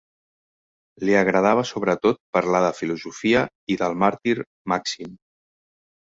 Li agradava sobretot parlar de filosofia i del màrtir Màxim.